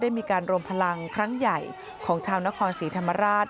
มีการรวมพลังครั้งใหญ่ของชาวนครศรีธรรมราช